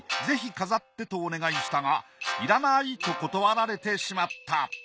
ぜひ飾ってとお願いしたが「いらない」と断られてしまった。